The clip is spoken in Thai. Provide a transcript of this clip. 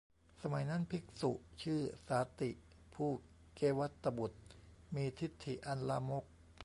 สมัยนั้น ภิกษุชื่อสาติ ผู้เกวัฏฏบุตร มีทิฏฐิอันลามก